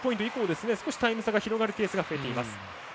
以降少しタイム差が広がるケースが増えています。